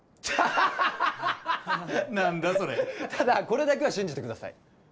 ハハ何だそれただこれだけは信じてください